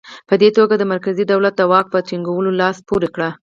په دې توګه یې د مرکزي دولت د واک په ټینګولو لاس پورې کړ.